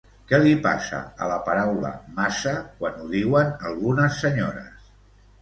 Què li passa a la paraula massa quan ho diuen algunes senyores?